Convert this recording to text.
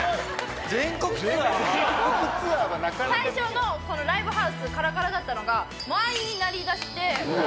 最初のライブハウスカラカラだったのが満員になりだして。